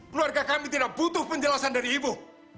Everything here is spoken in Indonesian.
keluarga kami tidak butuh penjelasan dari ibu